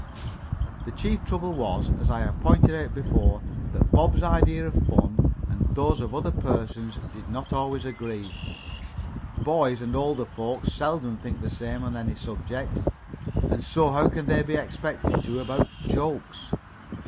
The chief trouble was, as I have pointed out before, that Bob's ideas of fun and those of other persons did not always agree. Boys and older folks seldom think the same on any subject, and so how can they be expected to about "jokes"?